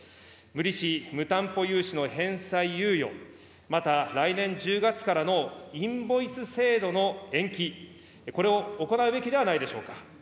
無利子無担保融資の返済猶予、また来年１０月からのインボイス制度の延期、これを行うべきではないでしょうか。